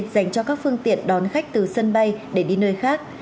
dành cho các phương tiện đón khách từ sân bay để đi nơi khác